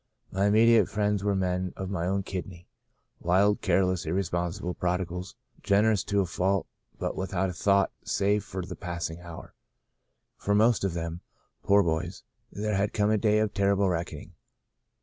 My imme diate friends were men of my own kidney — wild, careless, irresponsible prodigals, gener ous to a fault, but without a thought save for the passing hour. For most of them, poor boys, there has come a day of terrible reck oning.